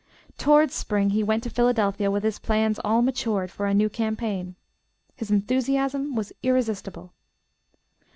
Towards spring he went to Philadelphia with his plans all matured for a new campaign. His enthusiasm was irresistible.